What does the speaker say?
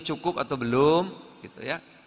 cukup atau belum gitu ya